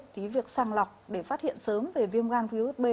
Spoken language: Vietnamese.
thì việc sàng lọc để phát hiện sớm về viêm gan virus b